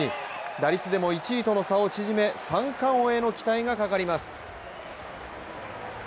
打率でも１位との差を縮め三冠王への期待がかかります。